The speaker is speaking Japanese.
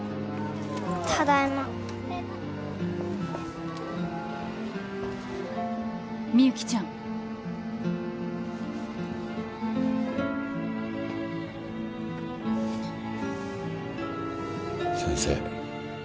ただいまみゆきちゃん先生